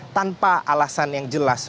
tanpa alasan yang jelas